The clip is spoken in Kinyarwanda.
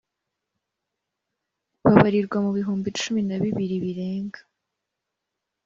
babarirwa mu bihumbi cumi na bibiri birenga